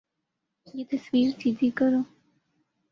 یہ تصویر سیدھی کرو